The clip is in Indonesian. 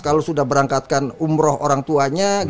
kalau sudah berangkatkan umroh orang tuanya